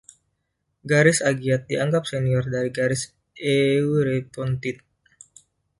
Garis "Agiad" dianggap senior dari garis "Eurypontid".